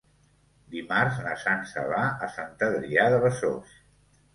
Dimarts na Sança va a Sant Adrià de Besòs.